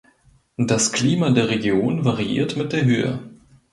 Das Klima der Region variiert mit der Höhe.